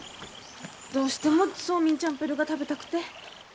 どうしてもソーミンチャンプルーが食べたくて。